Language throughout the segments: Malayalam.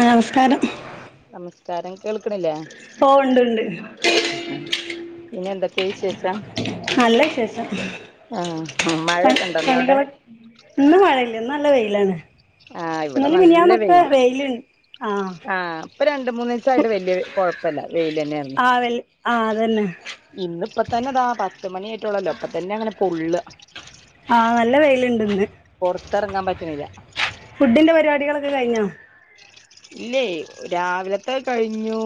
നമസ്കാരം നമസ്കാരം കേൾക്കിണില്ലേ. ഓ ഉണ്ട്ണ്ട്. ച്ചാ നല്ല വിശേഷം മഴയൊക്കെ ഇണ്ടന്ന അവിടെ നല്ല വെയിലാണ് ആ ഇന്നലെ മിനിഞ്ഞാന്നൊക്കെ. ആഹ ഇപ്പൊ രണ്ട്മൂന്ന് ദിവസായിട്ട് വല്യ കൊഴപ്പല്ല വെയില് തന്നെയായിന്ന്. ആ വെൽ ആ അതന്നെ ഇന്ന് ഇപ്പ തന്നെ താ പത്ത് മണിയ ആായിട്ട ഉള്ളല്ലോ ഇപ്പ തന്നെ താ പൊള്ള. ആ നല്ല വെയിലുണ്ട് ഇന്ന് പുറത്തിറങ്ങാൻ പറ്റുന്നില്ല. ഫുഡിന്റെ പരിപാടികളൊക്കെ കഴിഞ്ഞോ? ഇല്ലേ രാവിലത്തെ കഴിഞ്ഞു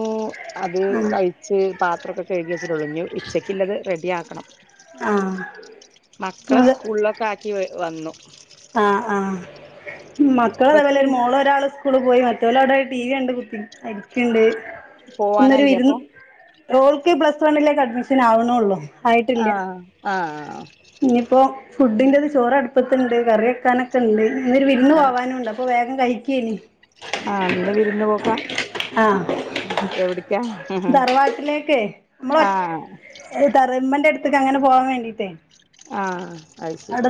അത് കഴിച്ച്.. പാത്രമൊക്കെ കഴുകി വെച്ചിട്ടോളു ഇനി ഉച്ചക്കുള്ളത് റെഡി ആാക്കണം. ആ മക്കളെ സ്കൂളിലൊക്കെ ആക്കി വ വന്നു. ആഹ ആഹ് മക്കള അതേപോല ബസ് ഒരു ഒരാള് ഒരാള് സ്കൂള് പോയി മറ്റേ. മറ്റോല് അവിടെ ടി വി കണ്ട് കുത്തിരിക്കുണ്ട് ഇന്നൊരു പോവാനായില്ലേ അപ്പൊ വിരുന്ന്. ഓൾക്ക് പ്ലസ് വണ്ണിലേക്ക് അഡ്മിഷൻ ആവണള്ളൂ. ആ ആയിട്ടില്ല ആ ഇനിയിപ്പോ. ഫുഡിന്റെഅത് ചോറ്ടുപ്പത്തുണ്ട് കറിവെക്കാനൊക്കണ്ട് ഇന്നരു വിരുന്ന് പോവാനുംണ്ട് അപ്പോ.. ഭക്ഷണം കഴിക്കയ്നി ആഹ ന്ന് വിരുന്ന് പോക്കാ ആഹ എവിടക്കാ ആഹ് തറവാട്ടിലേക്കെ മ്മൾ ഒറ്റപേരെയ് തറവാടിന്റട്ത് ന്നട്ട് അങ്ങനെ പോവാൻ വേണ്ടിയിട്ട് ആഹ അത് ശരി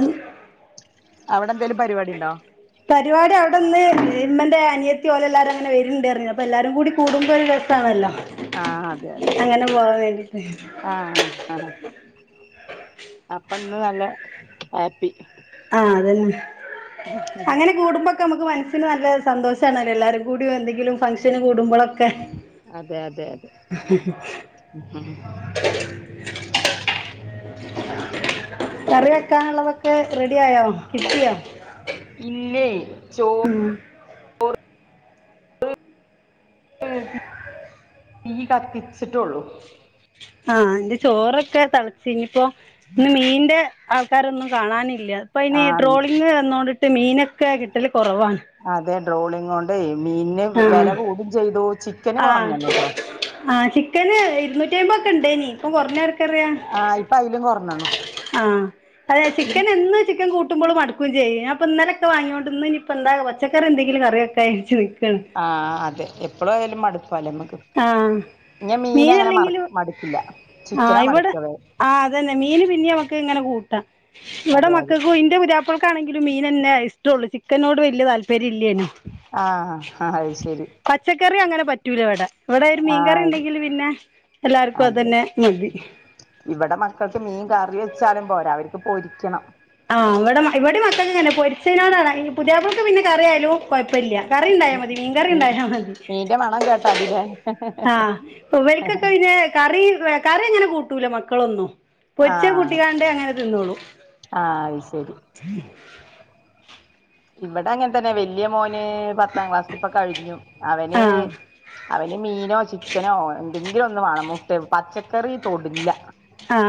അവിടെ ന്തെലും പരിപാടിണ്ടോ പരിപാടി അവിടെന്ന് ഇമ്മന്റെ അനിയത്തി ഓലെല്ലാരും അങ്ങനെ വരുണ്ടർഞ്ഞിനി അപ്പൊ എല്ലാരും കൂടി കൂടുമ്പോ ഒരു രസാണല്ലോ. ആഹ് അതെ അതെ അങ്ങനെ പോവാൻ വേണ്ടിട്ട്. ആഹ് അപ്പൊ ഇന്ന് നല്ല ഹാപ്പി. ആ അതന്നെ അങ്ങനെ കൂടുമ്പോ ഒക്കെ നമുക്ക് മനസ്സിന് നല്ല സന്തോഷമാണല്ലോ എല്ലാരും കൂടി എന്തെങ്കിലും ഫംഗ്ഷന് കൂടുമ്പോക്കെ. അതെ അതെ അതെ ഉം. കറി വെക്കാനുള്ളതൊക്കെ റെഡിയായോ കിട്ട് യോ. ഇല്ലേ ചോറ് ആഹ തീ കത്തിച്ച്ട്ടൊള്ളൂ. ആഹ് എന്റെ ചോറൊക്കെ തിളച്ച് ഇനിപ്പോ ഇന്ന് മീന്റെ ആൾക്കാരൊന്നും കാണാൻ. അപ്പൊ ഇനി ആഹ് ട്രോളിംഗ വന്നോണ്ടിട്ട് മീനൊക്കെ കിട്ടല് കുറവാണ്. റോളിങ് കൊണ്ട് മീന് വില ആഹ് കൂടും ചെയ്തു ചിക്കന് കുറഞ്ഞുട്ടോ. ആഹ ചിക്കന് ഇരുന്നൂറ്റി അമ്പതൊ ഒക്കെ ഉണ്ടേനി ഇപ്പൊ കൊറഞ്ഞ നേര. ആഹ ഇപ്പൊ അതിലും കൊറഞ്ഞു ണ്. ആഹ അതെ ചിക്കൻ എന്നന്ന് ചിക്കൻ കൂട്ട.. കുട്ട്മ്പോൾ മടക്കും ചെയ്യു അപ്പ ഇലക്കെ വാങ്ങിണ്ട് ഇനിപ്പ എന്താ പച്ചക്കറി എന്തെങ്കിലും കറിയക്ക ആ. ആഹ അതെ എപ്പോഴും ആയാലും മടു. ആഹ ഇഞ് മീന് അങ്ങനെ മറ മടുക്കില്ല ചിക്കനാ മടുക്കവേ ഗ്. ആഹ് അതന്നെ മീൻ പിന്നെ നമ്മക്ക് ഇങ്ങനെ കൂട്ടാം ഇവിടെ അതെ അതെ മക്കക്ക് ഇന്റെ പുതിയ. ഇപ്പോഴക്കാണെങ്കിലും മീൻ ഇഷ്ടമുള്ളൂ ചിക്കനോട് വലിയ താല്പര്യം ഇല്ലേനും. ആഹ ആ അത് ശരി. പച്ചക്കറി അങ്ങനെ പറ്റൂല ഇവിടെ ഇവിടെ ഒരു ആഹ് മീൻകറിണ്ടെങ്കിൽ പിന്നെ എല്ലാവർക്കും അതെ അതന്നെ മതി ഇവിടെ മക്കൾക്ക് മീൻ കറി വെച്ചാലും പോരാ അവർക്ക് പോരിക്കും ആഹ് ഇവിടെ ഇവിടെ മത്തങ്ങങ്ങെന്നെ പൊരിച്ചിനോടാണ് പുതിയാപ്ലക്ക് പിന്നെ കറിയാലും കൊഴപ്പല്ല്യ കറി ഉണ്ടായാൽ മതി മീൻ കറി മീ ഉണ്ടായാ മതി മീന്റെ മണം കേട്ടാ മതില്ലേ ആ ഇവര്ക്കൊക്കെ പിന്നെ കറി കറി അങ്ങനെ കൂട്ടൂല മക്കളൊന്നും പൊരിച്ച ആഹ് കൂട്ടികാണ്ട് അങ്ങനെ തിന്നോളും ആഹ് അത് ശരി ഇവിടെ അങ്ങനെ തന്നെ വല്ല്യ മോ ഏ പത്താം ക്ലാസ്സിപ്പ കഴിഞ്ഞു അവന് ആ അവന് മീനോ ചിക്കനോ എ എന്തെങ്കിലും ഒന്നും വേണം മുട്ട പച്ചക്കറി തൊടില്ല ആ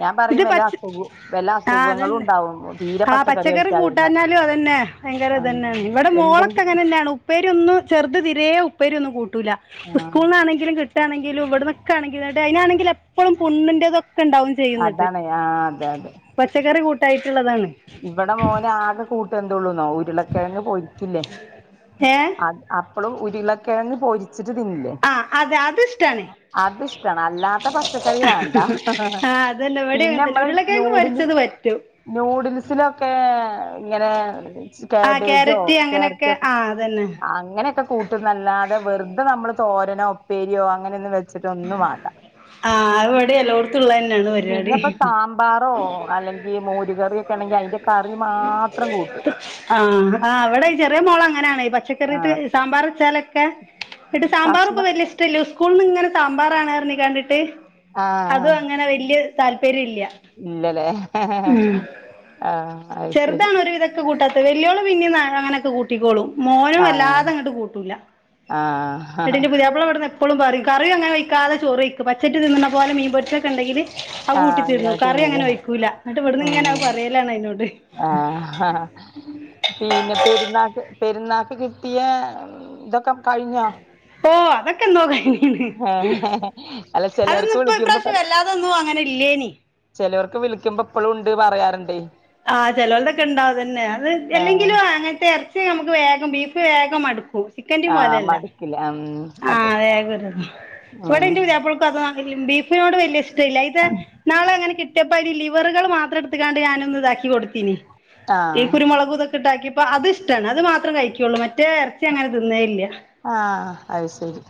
ഞാൻ ഇത് പറയും വല്ല പച്ച അസുഖ വല്ല ആ അസുഖങ്ങളും അതന്നെ ഉണ്ടാവും തീരെ ആ പച്ചക്കറി കഴിക്കാതിരുന്ന കൂട്ടാൻ അതന്നെ ഭയങ്കര ഇത് ആഹ് തന്നെയാണ് ഇവിടെ മോളൊക്കെ എന്തെങ്കിലും അങ്ങന തന്നെയാണ് ഉപ്പേരി ഒന്നും ചെറുത് തിരെേ ഉപ്പേരൊന്നും കൂട്ടൂല ആഹ് സ്കൂളിലാണെങ്കിലും കിട്ടാണെങ്കിലും ഇവിടന്നൊക്കെ എങ്കിലും അതിനാണെങ്കിലും എപ്പളും പുണ്ണിന്റെതൊക്കെ ഉണ്ടാവും ചെയ്യുന്നിട്ട് അതാണ് ആഹ് അതെ അതെ പച്ചക്കറി കൂട്ടായിട്ടുള്ളതാണ് ഇവിടെ മോന് ആകെ കൂട്ട് എന്തോള്ളൂന്നോ ഉരുളക്കിഴങ്ങ് പൊരിക്കില്ലേ ഏ അ അപ്പളും ഉരുളക്കിഴഞ്ഞ് പോരി [unintelligible] ആ അതെ അത് ഇഷ്ടാണ് അത് ഇഷ്ടമാണ് അല്ലാത്ത പച്ചക്കറി വേണ്ട ആ അതന്നെ ഇവിടിം പിന്നെ അങ്ങന തന്നെ നമ്മള് ഉരുളകിയങ്ങ് പൊരി നൂഡില് ച്ചത് പറ്റും നൂഡിൽസിലൊക്കെ ഇങ്ങനെ ആ കാബേജോ ക്യാരറ്റ് അങ്ങനെയൊക്കെ ക്യാരറ്റൊക്കെ ആ അതന്നെ അങ്ങനെയൊക്കെ കൂട്ടുന്നല്ലാതെ വെറുതെ നമ്മള് തോരനോ ഉപ്പേരിയോ അങ്ങനെയ ഒന്ന് വെ ച്ചിട്ട് ഒന്നും വാണ്ട ആ അത് ഇവിടെ എല്ലായിടത്തും ഉള്ളത് തന്നെയാണ് പിന്നെപ്പൊ പരിപാടി സാമ്പാറോ അല്ലെങ്കിൽ മോരി [unintelligible] അയിന്റെ ആ ആ് ഇവിടെ ചെറിയ മോള അങ്ങനെയാണെ ആ പച്ചക്കറി്ട്ട് സാമ്പാർ വച്ചാലൊക്കെ ഇട്ട് സാമ്പാർ ഇപ്പ കഷ്ണം വലിയ ഇഷ്ടല്ല സ്കൂൾനിങ്ങനെ സാമ്പാറാണ് പറഞ് കണ്ടിട്ട് ആ അതും അങ്ങനെ വല്യ താല്പര്യം ഇല്ല്യ ഇല്ലലേ ആ ചെറുതാണ് ഒരുവിധം ഇതൊക്കെ കൂട്ടാത്തത് വല്യോള് പിന്നെ അങ്ങനൊക്കെ കൂട്ടിക്കോളും മോനും വല്ലാതെ ആഹ് അങ്ങോട്ട് കൂട്ടൂല്ല ആഹ് ന്നിട്ടിന്റെ പുതിയാപ്പള ഇവിടെന്ന് എപ്പോഴും പറയും കറി അങ്ങനെക്കാതെ ചോറി വക്ക് പച്ച തിന്ന പോലെ മീൻ പച്ചിച്ചൊക്കെണ്ടങ്കിൽ അത് ആഹ് അങ്ങനെ കൂട്ടിതിന്നും കറി തിന്നുല്ലേ അങ്ങനെ ഒഴിക്കൂല ന്നിട്ട് ഇവിടന്ന് ങ്ങനെ പറയലാണ് അ യ്നോട്‌ ആ ആഹാ പിന്നെ പെരുന്നാക്ക് പെരുന്ന നാക്ക് കിട്ടിയ ങ് ന്തൊക്കം ഓ ആത കന്നോ കൈ ഏഹ് അല്ല അതൊന്നും ചെലോർക്ക് ഇപ്പ വിളിക്കുമ്പോ പ്രാവശ്യം പറ വല്ലാതെൊന്നും അങ്ങനെ ഇല്ലേനിം ചെലോർക്ക് വിളിക്കുമ്പോ പ്പഴും ഉണ്ട് പറയാറുണ്ട് ആ ചെലോട്ക്കെ ഇണ്ടാ [unintelligible] ആഹ് ല്ലെങ്കിലും അങ്ങൻത്തെ എറച്ച് നമുക്ക് വേഗം ബീഫ് വേഗം മടുക്കും ചിക്കന്റയും ആഹ് പോലെല്ല മടുക്കില്ല ഉം ആ അതെ അതേ കേട്ട്ക്ണ് ഉം ഇവിടെ ഇന്റെ പുതിയാപ്ലക്ക് അത് ബീഫിനോട് വലിയ ഇഷ്ടല്ല ഇത് ന്നാള് അങ്ങനെ കിട്ടപ്പോ അതി ലിവറുകൾ മാത്രം എടുത്താണ്ട് ഞാനൊന്ന ഇതാ കൊടുത്തിനിം ഈ ആഹ് കുരുമുളകും ഇതൊക്കെ ഇട്ട് ആക്കി അപ്പൊ അത് ഇഷ്ടമാണ് അത് മാത്രം കഴിക്കയുള്ളൂ മറ്റേ ഇറച്ചി അങ്ങനെ തിന്നേയില്ലേ ആ അതശെരി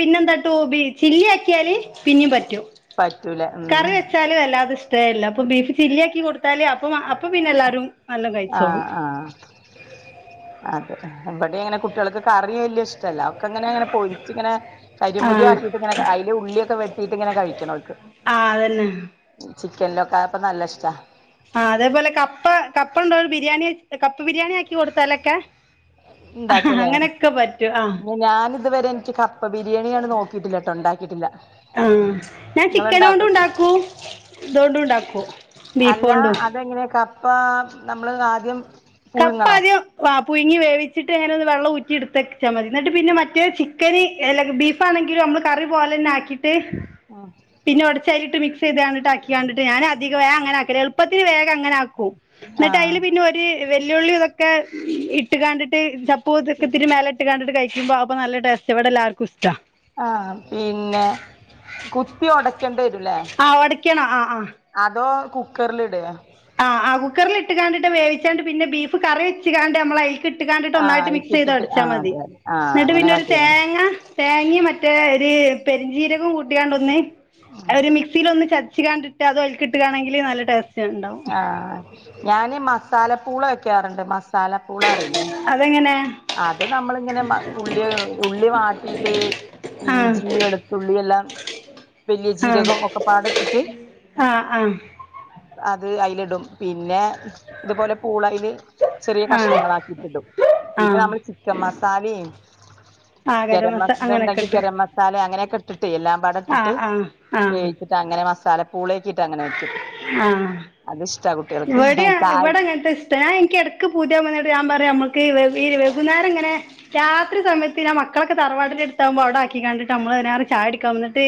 പിന്നെന്താട്ടു ബി ചില്ലി ആക്കിയാല് പിന്നേം പറ്റൂ പറ്റൂല ഉം കറി വെച്ചാലു എല്ല [unintelligible] [unintelligible] അപ്പൊ ബീഫ് ചില്ലിയ ആക്കി കൊടുത്താല് അപ്പ അപ്പൊ പിന്നെ എല്ലാരും നല്ലോം ആഹ കഴിച്ചോളും ആഹ അതെ ഇവിടെ ഇങ്ങനെ കുട്ടികൾക്ക് കറി വല്യ ഇഷ ല്ല ഒക്കെങ്ങനെങ്ങനെ പൊരിച്ച് ഇങ്ങനെ കരിമുരി ആഹ് ആക്കിട്ട അയ്ലിങ്ങെനെ അല ഉള്ളിയൊക്കെ വെട്ടിട്ട ഇങ്ങനെ കഴിക്കണം ഓല്ക് ആ അതന്നെ ചിക്കൻലൊകാപ്പ നല്ല ഇഷ്ടാ ആ അതേപോലെ കപ്പ കപ്പുണ്ടോ ഒരു ബിരിയാണി കപ്പ് ബിരിയാണി ആക്കി കൊടുത്തലൊക്കെ ഉണ്ടാക്കൂല്ലേ ആഹ് പിന്ന ഞാൻ ഇതുവരെ എനിക്ക് കപ്പ ബിരിയാണിയാണ് നോക്കിട്ടില്ല കേട്ടോ ഉണ്ടാക്ക ആഹ ഞാൻ ചിക്കനോണ്ടും നിങ്ങളുണ്ടാക്കും ഉണ്ടാക്കൂ ഇതൊണ്ട ഇണ്ടാക്കൂ അല്ല അതെങ്ങനെയ കപ്പ നമ്മള് ആദ്യം കപ്പ പുഴുങ്ങണോ ആദ്യം ആഹ് പുഴുങ്ങി വേവിച്ചിട്ട് അങ്ങനെ ഒന്ന് വെള്ളം ഊറ്റി ട്ത്തച്ചാൽ മതി എന്നിട്ട് പിന്നെ മറ്റേ ചിക്കന് അല്ല ബീഫാണെങ്കിലും മ്മൾ കറി പോലെന്നെ ആകീട്ട് ഉം പിന്നെ ഉടച്ചയിലിട്ട് മിക്സ് ക്കി തണ്ടിട്ട് ഞാൻ അധിക വേ അങ്ങനെആക്കും എളുപ്പത്തിന് വേഗ അങ്ങനെക്കും ആ എന്നിട്ട് അയിൽ പിന്നെ ഒരു വല്യേള്ളി ഇതൊക്കെ ഇട്ട് കണ്ടിട്ട് ചപ്പൂതൊക്കെത്തിരി മലെ ഇട്ട് കണ്ടിട്ട് കഴി ക്കുപ്പോ നല്ല ടേസ്റ്റാ വ്‌ടെ എല്ലാവർക്കും ഇഷ്ടാ ആഹ പിന്നെ കുത്തി ഉടക്കേണ്ടി വരൂല്ലേ ആ ഒടയ്ക്കണം ആ ആ കുക്കറിലിടേ ആ ആ കുക്കറിലിട്ട് കാണ്ടിട്ട് വേവിച്ചാണ്ട് പിന്നെ ബീഫ് കറി വെച്കാണ്ട് നമ്മൾ അയ്കി ട്ട് ഇട്ട കണ്ടിട്ട് ആ ഒന്നായിട്ട് മിക്സ് ചെയ്ത് അയിക്കിട്ടിട്ട് ആ ഉടച്ചാൽ മതി അതെ അതെ ആ എന്നിട്ട് അങ്ങനെ പിന്നെ ഒരു കാട്ടിയാ മതി തേങ്ങ തേങ്ങയും മറ്റേ ഒരു പെരിഞ്ചീരകവും കൂട്ടിയാണ്ട് ഒന്ന് ഒരു മിക്സിൽ ഒന്ന് ച കണ്ടിട്ട് അതുഅയ്ക്കിട്ട്കാണ്ട് ൽ നല്ല ടേസ്റ്റാ ആഹ ഞാന മസാലപ്പൂള വെക്കാറുണ്ട് മസാലപ്പൂള അറിയോ അതെങ്ങനെ അത് നമ്മളിങ്ങനെ ഉള്ളി ഉള്ളി വാട്ടിയിട്ട് ആഹ് ഇഞ്ചി വെളുത്തുള്ളി എല്ലാം വലിയ ജീരകം ഒക്കെപാടെഇട്ടിട്ട് ആ ആ അത് അയിലി ടും പിന്നെ ഇതുപോലെ പൂളൽ ചെറിയ ആഹ് കഷ്ണങ്ങള ആക്കിയിട്ടിടും പിന്നെ ആഹ് നമ്മൾ ചിക്കൻ മസാലയും ആഹ് ഗരം മസ ഇ അങ്ങനൊക്കെ ഉണ്ടെങ്കി ഇട്ട് ഗര മസാല അങ്ങനെയൊക്കെ ഇട്ടിട്ട് എല്ലാം പാടെട്ടിട്ട് ആഹ് ആഹ് ആഹ് വേവ് അങ്ങനെ മസാല പൂളേക്കിയിട്ട് അങ്ങനെ വെക്കും അത്ഷ്ട കുട്ട്യേ ഇവിടെയാ അ ഇവിടെ അങ്ങന ഇഷ്ട ഞ എനക്ക് ടക്ക് പൂതിയാവുമ്പോ പറയും നമ്മക്ക് ഈ വൈകുന്നെര ഇങ്ങനെ രാത്രി സയത്തിനെ മക്കളൊക്കെ തറവാടി എടുത്താവുമ്പോ അവിടെ ആക്ക കണ്ടിട്ട് നമ്മള് ങ്ങനെ ചാടിക്കാൻ വന്നിട്ട്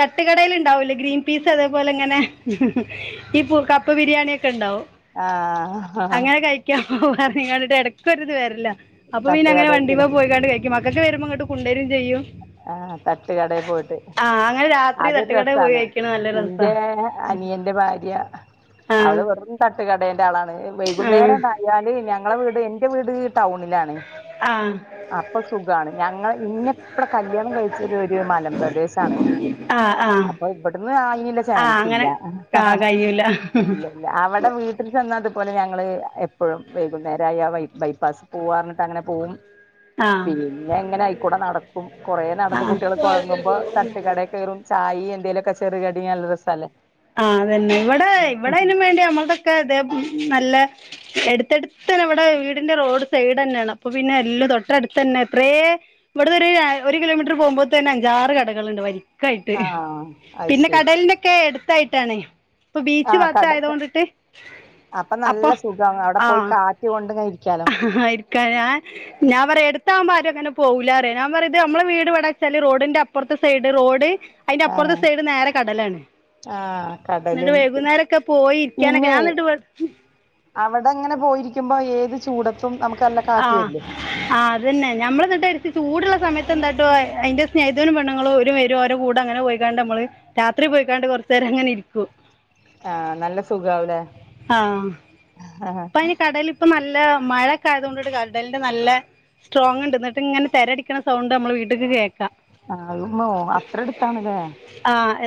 തട്ടുകടേൽണ്ടാവൂലേ ഗ്രീൻ പീസ് അതേപോലെ ഇങ്ങനെ ഈ കപ്പ ബിരിയാണിക്കെ ണ്ടാവും ആഹ് അങ്ങനെ കഴിക്കാൻ പോവാ നിങ്ങളുടെ ഇടക്കരിത് വരലാ അപ്പൊ പിന്ന അങ്ങന വണ്ടിമേ തട്ടുകടേക്കില്ലേ പോയിക്കാണ്ട് കഴിക്കും മക്കൊക്കെ വരുമ്പോ ഇങ്ങട്ട് കൊണ്ടുവരും ചെയ്യും ആഹ് തട്ട് കടയിൽ പോയിട്ട് ആഹ് അങ്ങനെ രാത്രി അതൊരു തട്ടുകടേ പോയി രസമാണ് കഴിക്കണ നല്ല രസാ ഇന്റെ അനിയന്റെ ഭാര്യ ആഹ് അവള് വെക്ക് തട്ട്കടേന്റെ ആളാണ് ആഹ് വൈകുന്നേരം ണ്ടായാല് ഞങ്ങളെ വീട് എറെ വീട് ടൗണിലാണ് ആഹ് അപ്പൊ സുഖമാണ് ഞങ്ങ ഇങ്ങ കല്യാണം കഴിച്ചത് ഒരു മലമ്പ്രദേശാണ് ആഹ് ആഹ് അപ്പൊ ഇവിടന്ന് ആയില്ല ചാൻ ആഹ് സ് ല്ല അങ്ങനെ ആഹ് കഴിയൂല ഇല്ല ഇല്ല അവിടെ വീട്ടിൽ ചെന്ന അത് പല് ഞങ്ങള് എപ്പോഴും വൈകുന്നേര ആ ബൈപ്പാസ് പോവാ എന്നിട്ട് അങ്ങനെ പോവും. ആഹ് പിന്നെ എങ്ങനെ ആയിക്കൂടെ നട കും കുറേ നടന്ന് ആഹ് കുട്ടികൾ കുഴങ്ങുമ്പോ തട്ടുകടേ കേറും ചായ് ഈ എന്തെലൊക്കെ ചെറുവടി അല്ലറസല്ലേ. ആ അതന്നെ ഇവിടെ ഇവിടെ അയിനു വേണ്ടി നമ്മളുതൊക്കെ ഇതേ നല്ല. എടുത്തടുത്ത് ഇവിടെ വീടിന്റെ റോഡ് സൈഡ് തന്നാണ് അപ്പൊ പിന്നെ എല്ലു തൊട്ടടുത്ത് തന്നെ എത്രയെ. ഇവിടന്നൊരു ഒരു കിലോമീറ്റർ പോകുമ്പോ തന്നെ അഞ്ചാറ് കടകള്ണ്ട് വരി ക്കായിട്ട് ആഹ് അത് പിന്നെ ശരി കടലിനൊക്കെ എടുത്തായിട്ടാണ് പ്പൊ ബീച് ആഹ് കടക്ക് ഭാഗത്തായദ്ധോണ്ട്ട്ട് അപ്പൊ നല്ല സുഖം അവിടെ പോയി ആഹ് കാറ്റ് കൊണ്ട് ഇങ്ങനെ ഇരിക്കാലോ ആ ഇരിക്ക ഞ ഞാൻ പറയ എടുത്താവുമ്പൊ അങ്ങനെ പോകൂല്ല റയാ ഞാൻ പറയ ത് നമ്മളെ വീട് വിടച്ചാല് റോഡിന്റെ അപ്പറത്തെ സൈഡ് റോഡ് അയിന്റെ അപ്പറത്തെ ആഹ് സൈഡ് നേരെ കടലാണ്. ആഹ് എന്നിട്ട് കടലിൽ വൈകുന്നേരക്കെ പോയി ഇരിക്കാനൊക്കെ പിന്നെ ഞാൻ എന്നിട്ട് വേ അവിടെ ഇങ്ങനെ പോയിരിക്കുമ്പോ ഏത് ചൂടത്തും നമുക്കല്ല ആ കാറ്റ് വര്ലെ ആ അതന്നെ ഞമ്മൾ ചൂടുള്ള സമയ അ എന്തായിട്ടോ അതിന്റെ സ്നേഹതനും പെൺങ്ങളു ഓരു വെരു കൂടെ അങ്ങനെ പോയിക്കാണ്ട് നമ്മള് രാത്രി പോയിക്കാണ്ട് കുറ് ചെറ്ങ്ങന ഇരിക്കൂ. ആ നല്ല സുഖാവുലേ? ഇപ്പ അയിന് കടലിപ്പ നല്ല മഴൊക്കെ ആയതുകൊണ്ട് കടലിന്റെ നല്ല സ്ട്രോങ്ണ്ട് എന്നിട്ട് ഇങ്ങനെ തിരടിക്കുന്ന സൗണ്ട് മ്മളെ വീട്ടക്ക് കേ ആവുമ്മോ അത്രടുത്താണല്ലേ?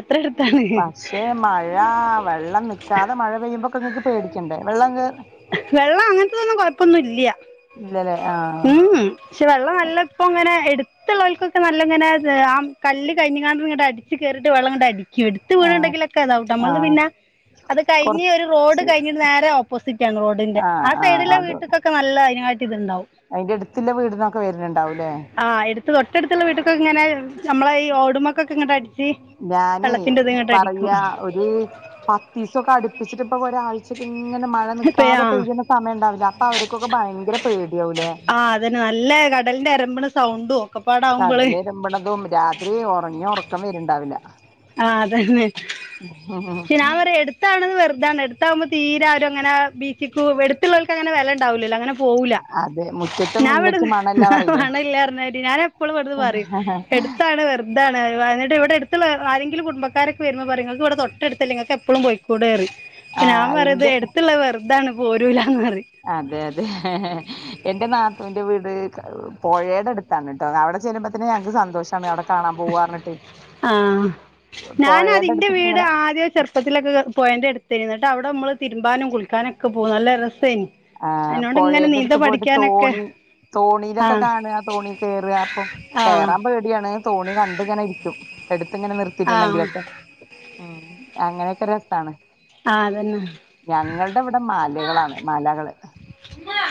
അത്ര എടുത്താണ്. പക്ഷേ മഴ വെള്ളം നിക്കാതെ മഴ പെയ്യുമ്പോക്കെ നിങ്ങക്ക് പേടിക്കണ്ടേ വെള്ളം. വെള്ളം അങ്ങനത്തതൊന്നും കൊഴപ്പൊന്നും ഇല്ല. ഇല്ലലേ? ഉം ഉം പക്ഷെ വെള്ളം നല്ല ഇപ്പ ഇങ്ങനെ എടുത്തുള്ളവർക്കൊക്കെ നല്ല ഇങ്ങനെ ആ കല്ല് കഴിഞ്ഞാണ്ട ഇങ്ങട് അടിച്ച് കയറിട്ട് വെള്ളം ഇങ്ങട് അടിക്കും എടുത്ത് ആഹ് വീടുണ്ടെങ്കിലൊക്കെ അതാവുട്ടോ നമ്മൾത് ആഹ് പിന്നെ അത് കഴിഞ്ഞ് ഒരു റോഡ് കൊറച്ച് കഴിഞ്ഞിട്ട് നേരെ ഓപ്പോസി റോഡിന്റെ ആഹ് ആ ആഹ് സൈഡില അത് വീട്ടൊകൊക്ക നല്ല അതിനായിട്ട് ഇത്ണ്ടാവും. അയിന്റെ അടുത്തുള്ള വീടിന്നൊക്കെ വരുന്നുണ്ടാവൂലേ ആ എടുത്ത തൊട്ടടുത്തുള്ള വീട്ടക്കൊക്കെ ഇങ്ങനെ നമ്മളെ ഈ റോഡുമക്കൊക്കെ ഇങ്ങട് അടിച്ച് ഞാനേ വെള്ളത്തിന്റെ ഇത് ഇങ്ങട്ട് അടിക്കും പറയാ ഒരു പത്തീസൊക്കെ അടുപ്പിച്ചിട്ട് ഇപ്പൊ ഒരാഴ്ചക്ക ഇങ്ങ മഴ ഇപ്പ നിക്കാതെ ആഹ് പെയ്യുന്ന സമയം ഉണ്ടാവില് അപ്പൊ അവർക്കൊക്കെ ഭയങ്കര പേടിയാവൂലേ? ആഹ് അതന്നെ നല്ല കടലിന്റെ അരമ്പണ് സൗണ്ടൂ കടലരുമ്പോണതും രാത്രി ഉറങ്ങ ഉർക്കം വരുണ്ടാവ്ല്ല. ആ അതന്നെ. പക്ഷേ ഞാൻ പറയ എടുത്താണെന്ന് വെറുതാണ് എടുത്താവുമ്പോ തീര ആരു അങ്ങനെ ബീച്ചക്ക് എടുത്തുള്ളവർക്ക് അങ്ങനെ വെല ദ് ആവുല്ലല്ലോ അങ്ങനെ പോവുല അതെ മുറ്റത്തെ ഞാൻ ഇവിടെ മുല്ലക്ക് മണല്ല പറയില്ലേ ആളില്ല ഞാൻ എപ്പോഴും ഇവിടുന്ന് പറയു എടുത്താണ് വെറ് ഇതാണ് എന്നിട്ട് ഇവിടെ അടുത്തുള്ള ആരെങ്കിലും കുടുംബാരൊക്കെ വരുമ്പോൾ പറയും നിങ്ങൾക്ക് ഇവിടെ തൊട്ടടുത്തല്ലെ നിങ്ങൾക്ക് എപ്പോളു പോയി കൂടെയറി അപ്പൊ ഞാൻ ആഹ് പറയും എന്റെ എടുത്തുള്ള വെറുതാണ് പോരുല. അതെ അതെ ഹ ഹാ ഹാ എന്റെ നാത്തൂൻ്റെ വീട് ക് പുഴയുടെ അടുത്താണ് ട്ടോ അവിടെ ചെല്ലുമ്പോത്തന്നെ ഞങ്ങക്ക് സന്തോഷമാണ് അവിടെ കാണാൻ പോവാറഞ്ഞിട്ട്. ആ ഞാൻ ആദ്യം എൻ്റെ അടുത്തേക്ക് വീട് ഇങ്ങനെ ആദ്യം ചെറുപ്പത്തിലൊക്കെ പോയന്റെ അടുത്തായിരുന്നു എന്നിട്ട് അവ് അവിടെ നമ്മള് തിരുമ്പാനും കുളിക്കാനൊക്കെ പോകും നല്ല റസേനീ ആ പുഴേയുടെ അടുത്ത് പോയിട്ട് തോണി തോണിയിലൊക്കെ ആഹ് കാണുക തോണി കേറ അപ്പൊ ആഹ് കയറാൻ പേടിയാണ് തോണി കണ്ടിങ്ങനെ ഇരിക്കും. എടുത്ത് ഇങ്ങനെ ആഹ് ആഹ് നിർത്തിയിട്ടുണ്ടെങ്കിലൊക്കെ ഉം അങ്ങനെയൊക്കെ രസാണ്. അതന്നെ ഞങ്ങളുടെ ഇവിടെ മലകളാണ് മലകള് ഇമ്മാ.